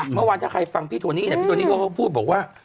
เมื่อวานถ้าใครฟังพี่โทนี่เนี่ยพี่โทนี่เขาก็พูดบอกว่า